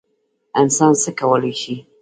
انسان څه کولی شي؟